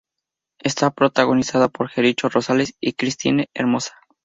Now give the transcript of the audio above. Está protagonizada por Jericho Rosales y Kristine Hermosa.